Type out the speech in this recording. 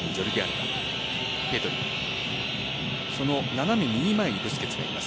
斜め右前にブスケツがいます。